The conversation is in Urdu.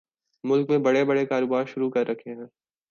ملک میں بڑے بڑے کاروبار شروع کر رکھے ہیں